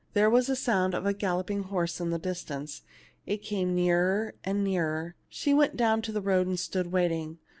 There was the sound of a gal loping horse in the distance ; it came nearer and nearer. She went down to the road and stood waiting.